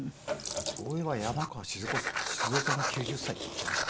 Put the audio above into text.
そういえば山川静夫さんも９０歳って言っていました。